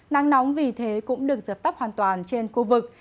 nắng nóng vì thế cũng được dập tắt hoàn toàn trên khu vực